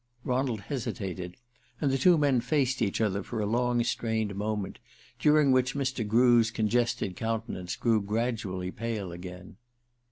Ronald hesitated, and the two men faced each other for a long strained moment, during which Mr. Grew's congested countenance grew gradually pale again.